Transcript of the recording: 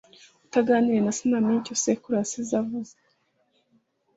Utaganiriye na se ntamenya icyo sekuru yavuze (yasize avuze).